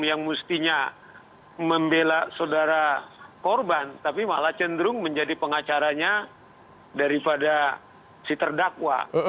yang mestinya membela saudara korban tapi malah cenderung menjadi pengacaranya daripada si terdakwa